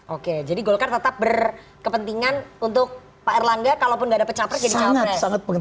oke jadi golkar tetap berkepentingan untuk pak erlangga kalaupun gak ada pecah pecah jadi capres